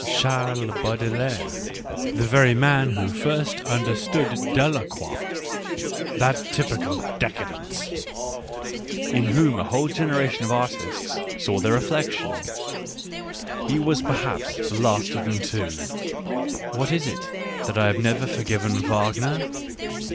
Charles Baudelaire, the very man who first understood Dela croix — that typical decadent, in whom a whole gen eration of artists saw their reflection ; he was per haps the last of them too. ... What is it that I have t never forgiven Wagner